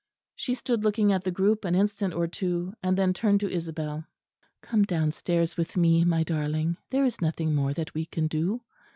She stood looking at the group an instant or two, and then turned to Isabel. "Come downstairs with me, my darling; there is nothing more that we can do."